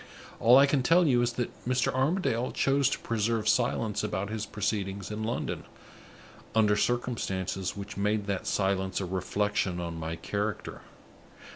All I can tell you is that Mr. Armadale chose to preserve silence about his proceedings in London, under circumstances which made that silence a reflection on my character.